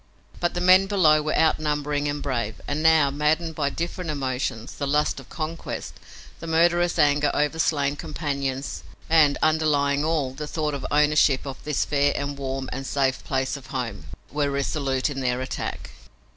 But the men below were outnumbering and brave, and now, maddened by different emotions, the lust of conquest, the murderous anger over slain companions and, underlying all, the thought of ownership of this fair and warm and safe place of home, were resolute in their attack.